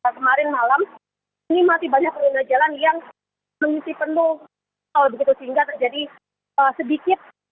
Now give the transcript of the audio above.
kemarin malam ini masih banyak pengguna jalan yang mengisi penuh tol begitu sehingga terjadi sedikit